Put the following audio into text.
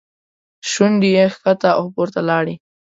شونډې یې ښکته او پورته لاړې.